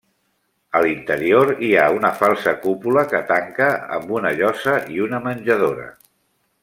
A l'interior hi ha una falsa cúpula que tanca amb una llosa i una menjadora.